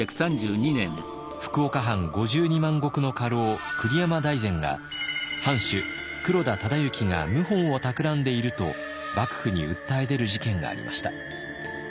福岡藩５２万石の家老栗山大膳が「藩主黒田忠之が謀反をたくらんでいる」と幕府に訴え出る事件がありました。